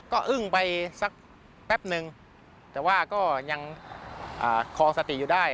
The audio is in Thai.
ก็อึ้งไปสักแป๊บนึงแต่ว่าก็ยังคอสติอยู่ได้